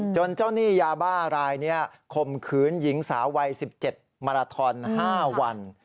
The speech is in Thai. เจ้าหนี้ยาบ้ารายนี้ข่มขืนหญิงสาววัย๑๗มาราทอน๕วัน